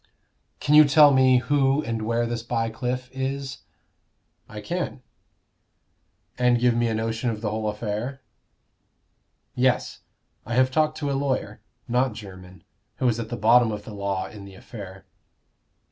"Can you tell me who and where this Bycliffe is?" "I can." " And give me a notion of the whole affair?" "Yes; I have talked to a lawyer not Jermyn who is at the bottom of the law in the affair."